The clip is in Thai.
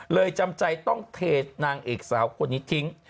จำใจต้องเทนางเอกสาวคนนี้ทิ้ง